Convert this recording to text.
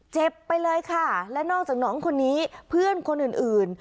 ไปเลยค่ะและนอกจากน้องคนนี้เพื่อนคนอื่นอื่น